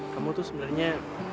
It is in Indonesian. kamu tuh sebenernya